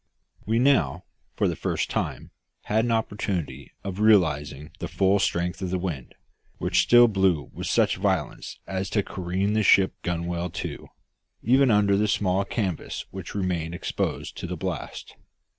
We now, for the first time, had an opportunity of realising the full strength of the wind, which still blew with such violence as to careen the ship gunwale to, even under the small canvas which remained exposed to the blast.